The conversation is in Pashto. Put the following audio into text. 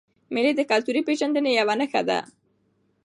مېلې د کلتوري پیژندني یوه نخښه ده.